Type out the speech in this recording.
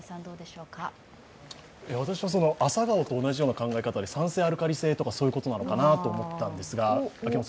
私は朝顔と同じような考え方で酸性、アルカリ性とかそういうものかと思ったんですが。